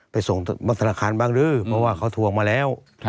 ไปส่งบรรทนาคารบางดึ้เพราะว่าเขาทัลงมาแล้วครับ